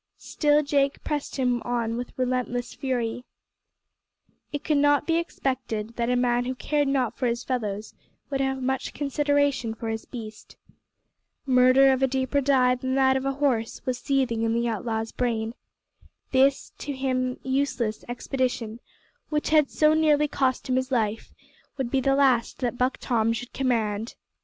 Still Jake pressed him on with relentless fury. It could not be expected that a man who cared not for his fellows would have much consideration for his beast. Murder of a deeper dye than that of a horse was seething in the outlaw's brain. This to him useless expedition, which had so nearly cost him his life, would be the last that Buck Tom should command.